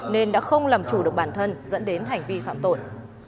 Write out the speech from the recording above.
nên đã không làm chủ được bản thân dẫn đến hành vi phạm tội